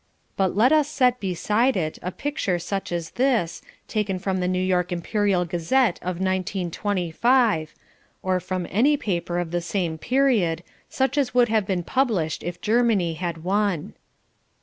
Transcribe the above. But let us set beside it a picture such as this, taken from the New York Imperial Gazette of 1925 or from any paper of the same period, such as would have been published if Germany had won.